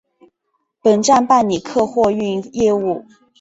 本站办理客货运业务。